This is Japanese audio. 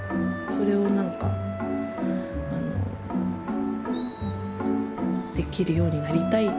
それをなんかできるようになりたい。